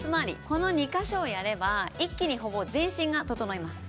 この２カ所をやれば一気にほぼ全身が整います。